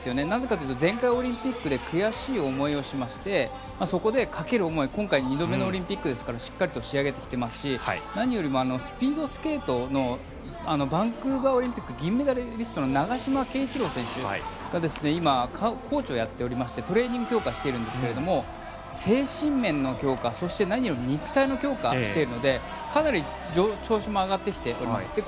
なぜかというと前回オリンピックで悔しい思いをしましてそこでかける思い、今回２度目のオリンピックですからしっかりと仕上げてきていますし何よりもスピードスケートのバンクーバーオリンピック銀メダリストの長島圭一郎選手が今コーチをやっていましてトレーニングを強化しているんですけど精神面の強化、そして何より肉体の強化をしているのでかなり調子も上がってきています。